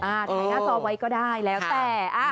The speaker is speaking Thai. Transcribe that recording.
ถ่ายหน้าจอไว้ก็ได้แล้วแต่